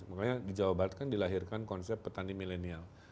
makanya di jawa barat kan dilahirkan konsep petani milenial